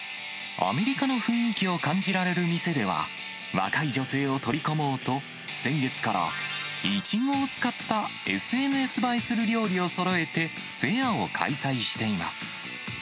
アメリカの雰囲気を感じられる店では、若い女性を取り込もうと、先月から、イチゴを使ったＳＮＳ映えする料理をそろえて、フェアを開催しています。